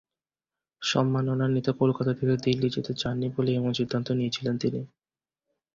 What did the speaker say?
সম্মাননা নিতে কলকাতা থেকে দিল্লি যেতে চাননি বলেই এমন সিদ্ধান্ত নিয়েছিলেন তিনি।